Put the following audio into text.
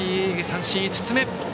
三振５つ目。